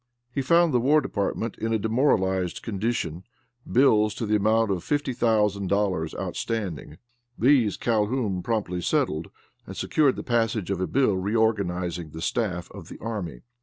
He found the war department in a demoralized condition bills to the amount of $50,000 outstanding. These Calhoun promptly settled and secured the passage of a bill reorganizing the staff of the army.